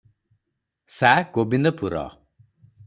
Sa - Gobindapur.